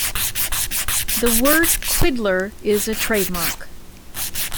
The word "Quiddler" is a trademark.